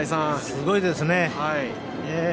すごいですね。